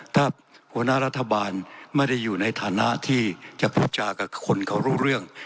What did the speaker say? ถ้าหัวหน้ารัฐบาลไม่ได้อยู่ในฐานะที่จะพูดจากับคนเขารู้เรื่อง